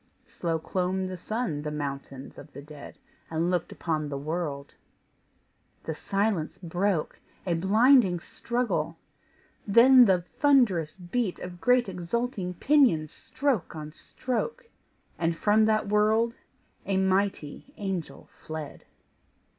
Slow clomb the sun the mountains of the dead, And looked upon the world: the silence broke! A blinding struggle! then the thunderous beat Of great exulting pinions stroke on stroke! And from that world a mighty angel fled.